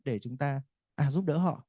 để chúng ta giúp đỡ họ